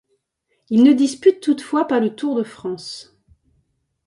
Il ne dispute toutefois pas le Tour de France.